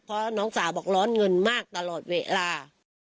เพราะน้องสาวบอกร้อนเงินมากตลอดเวลา